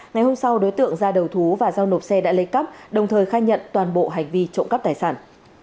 ngày hôm sau đối tượng ra đầu thú và giao nộp xe đã lấy cắp đồng thời khai nhận toàn bộ hành vi trộm cắp tài sản